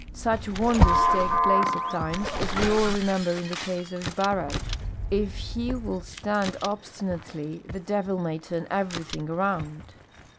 Such wonders take place at times, as we all remember in the case of Zbaraj. If he will stand obstinately, the devil may turn everything around.